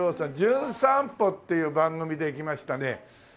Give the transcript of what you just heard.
『じゅん散歩』っていう番組で来ましたねえ